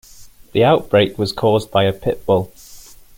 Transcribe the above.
The outbreak was caused by a pit bull.